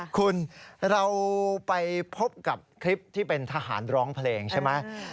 คุณเราไปพบกับคลิปที่เป็นทหารร้องเพลงใช่ไหม